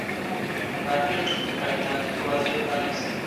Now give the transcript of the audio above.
راکټ د کائناتو دروازې پرانېستي